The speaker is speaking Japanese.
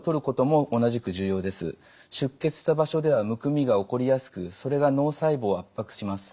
出血した場所ではむくみが起こりやすくそれが脳細胞を圧迫します。